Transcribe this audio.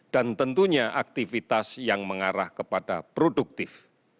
dan tentunya aktivitas yang mengarah kepada produktif